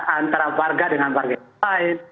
antara warga dengan warga yang lain